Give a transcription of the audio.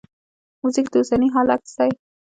موزیک د اوسني حال عکس دی.